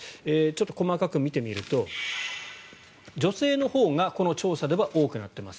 細かく見てみると、女性のほうがこの調査では多くなっています。